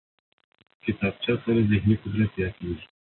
کتابچه سره ذهني قدرت زیاتېږي